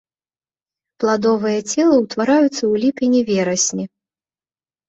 Пладовыя целы ўтвараюцца ў ліпені-верасні.